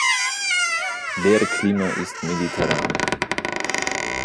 Der Klima ist mediterran.